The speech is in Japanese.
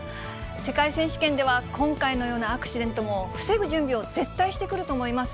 世界選手権では、今回のようなアクシデントも防ぐ準備を絶対してくると思います。